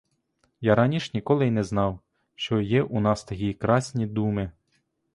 Я раніш ніколи й не знав, що є у нас такі красні думи!